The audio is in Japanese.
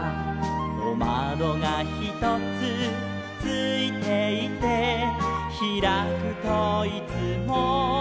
「おまどがひとつついていて」「ひらくといつも」